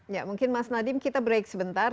ya mungkin mas nadiem kita break sebentar